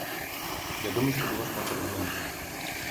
Я думаю, што было шмат аргументаў.